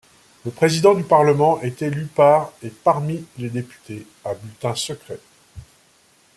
Le président du Parlement est élu par et parmi les députés, à bulletin secret.